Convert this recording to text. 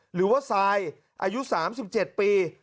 หรือว่าทรายอายุ๓๗ปี